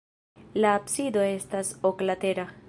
La absido estas oklatera.